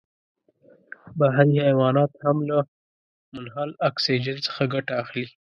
بحري حیوانات هم له منحل اکسیجن څخه ګټه اخلي.